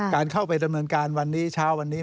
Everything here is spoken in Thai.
การเข้าไปดำเนินการวันนี้เช้าวันนี้